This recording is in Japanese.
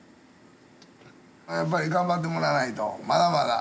やっぱり頑張ってもらわないとまだまだ。